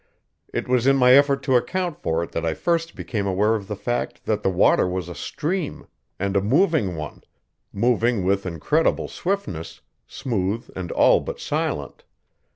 It was in my effort to account for it that I first became aware of the fact that the water was a stream, and a moving one moving with incredible swiftness, smooth and all but silent.